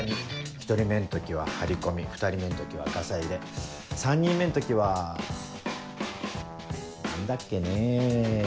１人目の時は張り込み２人目の時はガサ入れ３人目の時は何だっけねぇ。